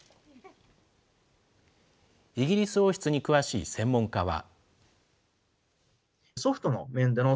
イギリス王室に詳しい専門家は。